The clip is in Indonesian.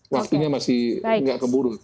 waktunya masih nggak keburu